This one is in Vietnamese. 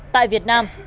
tại việt nam